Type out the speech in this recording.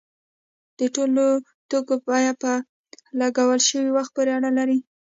د ټولو توکو بیه په لګول شوي وخت پورې اړه لري.